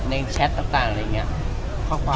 ในแชทต่างอะไรอย่างเงี้ย